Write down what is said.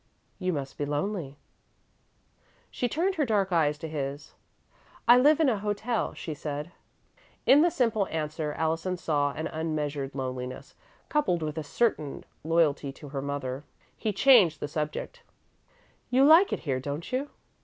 "You must be lonely." She turned her dark eyes to his. "I live in a hotel," she said. In the simple answer, Allison saw an unmeasured loneliness, coupled with a certain loyalty to her mother. He changed the subject. "You like it here, don't you?"